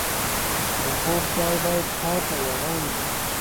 د خوب ځای باید پاک او ارام وي.